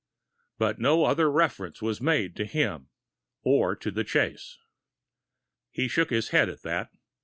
But no other reference was made to him, or to the chase. He shook his head at that.